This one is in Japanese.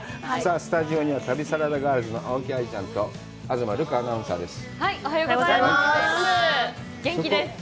スタジオには旅サラダガールズの青木愛ちゃんと東留伽アナウンサーです。